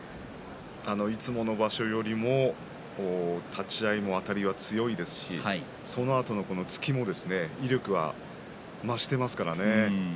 いつもの場所よりも立ち合いのあたりが強いですしそのあとの突きも威力が増していますからね。